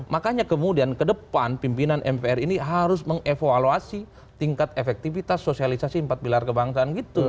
makanya kemudian ke depan pimpinan mpr ini harus mengevaluasi tingkat efektivitas sosialisasi empat pilar kebangsaan gitu